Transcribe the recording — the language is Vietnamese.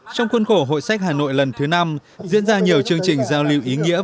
trong quân cổ hội sách hà nội lần thứ năm diễn ra nhiều chương trình giao lưu ý nghĩa và bổ ích